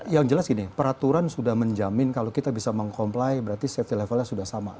yang jelas gini peraturan sudah menjamin kalau kita bisa meng comply berarti safety levelnya sudah sama